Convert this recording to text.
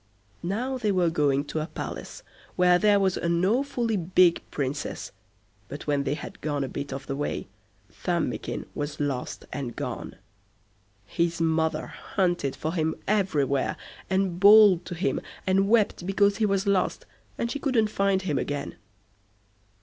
Now they were going to a palace where there was an awfully big Princess, but when they had gone a bit of the way, Thumbikin was lost and gone. His mother hunted for him everywhere, and bawled to him, and wept because he was lost, and she couldn't find him again.